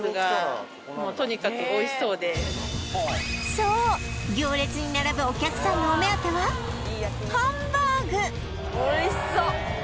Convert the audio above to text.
そう行列に並ぶお客さんのお目当てはおいしそう！